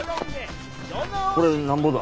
これなんぼだ？